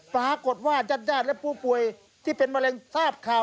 ปรากฏว่าจ้านและผู้ป่วยถึงแล้วจะเป็นมะเร็งทราบข่าว